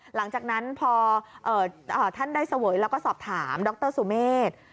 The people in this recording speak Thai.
หลังจากนั้นพอท่านได้เสวยแล้วก็สอบถามดรสุเมฆ